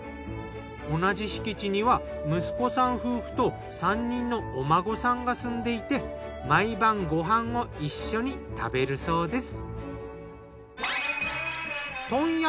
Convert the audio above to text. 同じ敷地には息子さん夫婦と３人のお孫さんが住んでいて毎晩ご飯を一緒に食べるそうです。